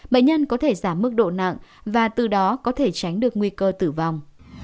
bệnh nhân có thể giảm mức độ nặng và từ đó có thể tránh được nguy cơ tử vong